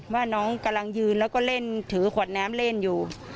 ว่าน้องกำลังยืนแล้วก็เล่นถือขวดน้ำเล่นอยู่